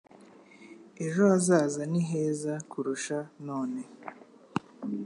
ejo hazaza ni heza kurusha none